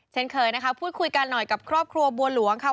เช่นเคยนะคะพูดคุยกันหน่อยกับครอบครัวบัวหลวงค่ะ